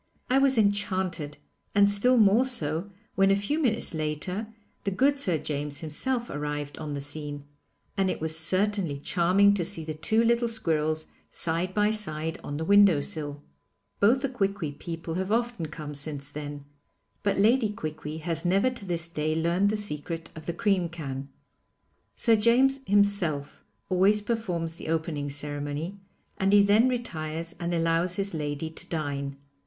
I was enchanted, and still more so when a few minutes later the good Sir James himself arrived on the scene, and it was certainly charming to see the two little squirrels side by side on the window sill. Both the Quiqui people have often come since then, but Lady Quiqui has never to this day learned the secret of the cream can. Sir James himself always performs the opening ceremony, and he then retires and allows his lady to dine.